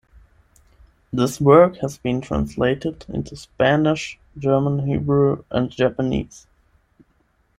This work has been translated into Spanish, German, Hebrew, and Japanese.